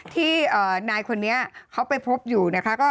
ที่นายคนนี้เขาไปพบอยู่นะคะ